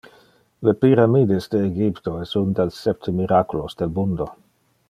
Le pyramides de Egypto es un del septe miraculos del mundo.